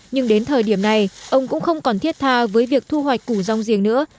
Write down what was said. nhưng đến thời điểm này ông cũng không còn thiết tha với việc thu hoạch củ rong giềng nữa